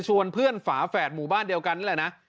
เพื่อนฝาแฝดหมู่บ้านเดียวกันนี่แหละนะ